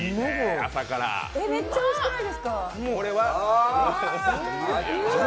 めっちゃおいしくないですか。